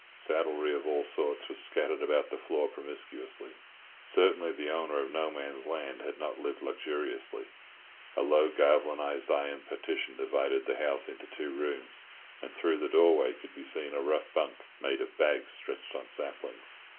Saddlery of all sorts was scattered about the floor promiscuously. Certainly the owner of No Man's Land had not lived luxuriously. A low galvanised iron partition divided the house into two rooms, and through the doorway could be seen a rough bunk made of bags stretched on saplings.